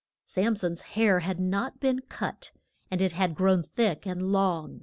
Sam son's hair had not been cut, and it had grown thick and long.